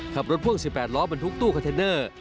ขับรถพ่วง๑๘ล้อบนทุกตู้คอนเทนเนอร์